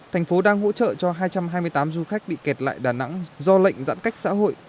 thành phố đang hỗ trợ cho hai trăm hai mươi tám du khách bị kẹt lại đà nẵng do lệnh giãn cách xã hội